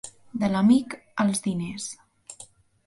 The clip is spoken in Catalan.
De l'amic, els diners.